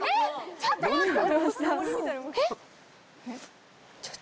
ちょっと待って！